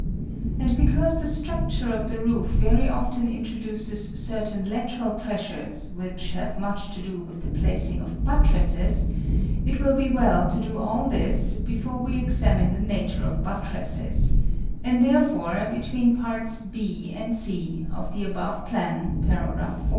And because the structure of the roof very often introduces certain lateral pressures which have much to do with the placing of buttresses, it will be well to do all this before we examine the nature of buttresses, and, therefore, between parts (B) and (C) of the above plan, § IV.